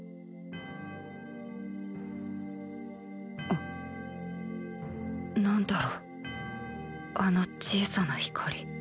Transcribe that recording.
ん何だろうあの小さな光。